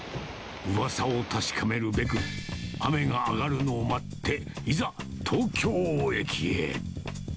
うわさを確かめるべく、雨が上がるのを待って、いざ、東京駅へ。